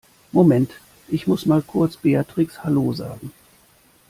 Moment, ich muss mal kurz Beatrix Hallo sagen.